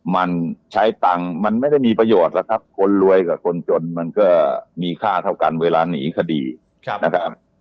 มันใช้ตังค์มันไม่ได้มีประโยชน์แล้วครับคนรวยกับคนจนมันก็มีค่าเท่ากันเวลาหนีคดีนะครับ